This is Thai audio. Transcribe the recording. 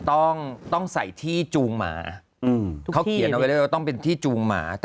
ต้องต้องใส่ที่จูงหมาเขาเขียนเอาไว้เลยว่าต้องเป็นที่จูงหมา